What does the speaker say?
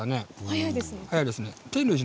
早いですね。